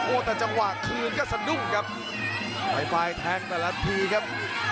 แต่จังหวะคืนก็สะดุ้งครับไวไฟแทงแต่ละทีครับ